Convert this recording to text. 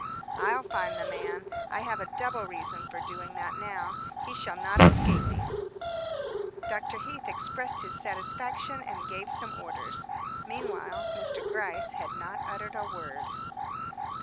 "I'll find the man; I have a double reason for doing that now; he shall not escape me." Dr. Heath expressed his satisfaction, and gave some orders. Meanwhile, Mr. Gryce had not uttered a word.